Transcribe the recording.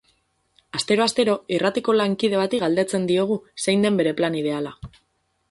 Astero-astero irratiko lankide bati galdetzen diozgu zein den bere plan ideala.